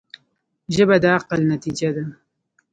ژبه د عقل نتیجه ده